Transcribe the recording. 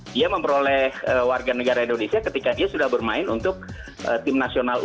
dia memperoleh warganegaraan indonesia ketika dia sudah bermain untuk tim nasional